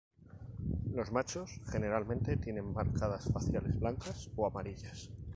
Los machos generalmente tienen marcas faciales blancas o amarillas.